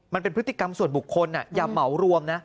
มันเป็นพฤติกรรมส่วนบุคคลอย่าเหมารวมนะ